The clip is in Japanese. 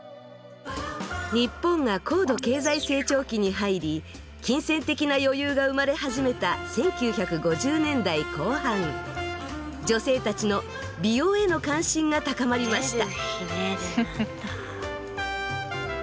日本が高度経済成長期に入り金銭的な余裕が生まれ始めた女性たちの美容への関心が高まりました。